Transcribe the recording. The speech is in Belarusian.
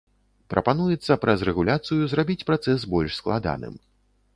Прапануецца праз рэгуляцыю зрабіць працэс больш складаным.